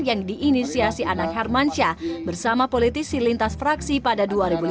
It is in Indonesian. yang diinisiasi anak hermansyah bersama politisi lintas fraksi pada dua ribu lima belas